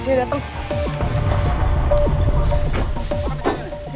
pak apa kecilnya ini